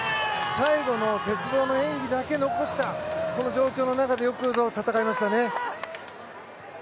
最後の鉄棒の演技だけ残したこの状況の中でよくぞ戦いましたね。